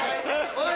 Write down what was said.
おい！